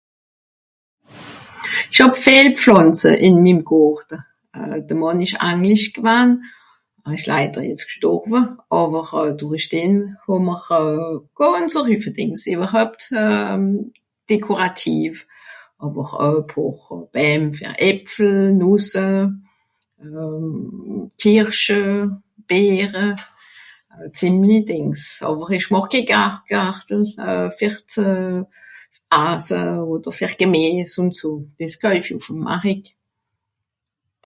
sch hàb viel Pflànze ìn mim Gorte euh de mànn esch anglisch gewann un esch laider jetz g'schtòrwe àwer euh durich dem hom'r e gànzer hùffe Dìngs ewerhöpt euh décorativ àwer ö pààr beem fer äpfle nusse euh pfirsche beere zìmli Dìngs àwer esch màch ke gar Gartel fer ze asse oder fer gemiess ùn so des käufi ùff'm marik